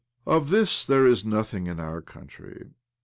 Of this there is nothing in our country.